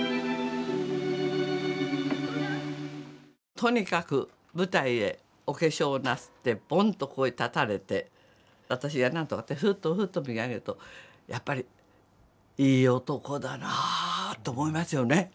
とにかく舞台へお化粧なすってぼんとここへ立たれて私が何とかってふっとふっと見上げるとやっぱり「いい男だなあ」と思いますよね。